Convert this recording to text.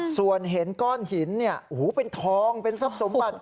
ส่วนเห็นก้อนหินเป็นทองเป็นทรัพย์สมบัติ